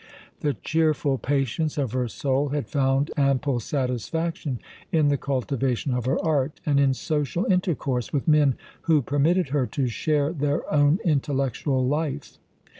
The cheerful patience of her soul had found ample satisfaction in the cultivation of her art, and in social intercourse with men who permitted her to share their own intellectual life.